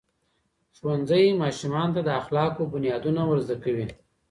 ښوونځی ماشومانو ته د اخلاقو بنیادونه ورزده کوي.